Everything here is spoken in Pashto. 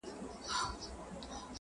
ډك د ميو جام مي د زړه ور مــات كړ ـ